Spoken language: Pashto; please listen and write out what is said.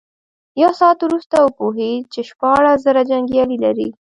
يو ساعت وروسته وپوهېد چې شپاړس زره جنيګالي لري.